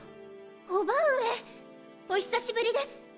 伯母上お久しぶりです。